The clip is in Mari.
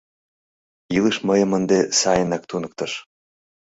Илыш мыйым ынде сайынак туныктыш!